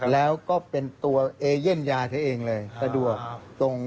แล้วก็เป็นตัวเอเย่นยาเธอเองเลยสะดวกตรง